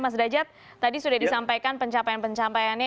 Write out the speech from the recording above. mas derajat tadi sudah disampaikan pencapaian pencapaiannya